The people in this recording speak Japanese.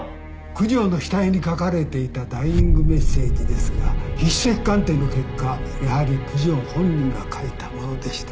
九条の下絵に書かれていたダイイングメッセージですが筆跡鑑定の結果やはり九条本人が書いたものでした。